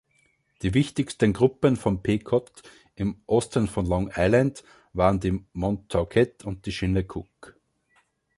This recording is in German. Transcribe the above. Die wichtigsten Gruppen von Pequot im Osten von Long Island waren die Montaukett und Shinnecock.